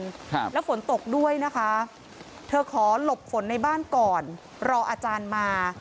ครับแล้วฝนตกด้วยนะคะเธอขอหลบฝนในบ้านก่อนรออาจารย์มา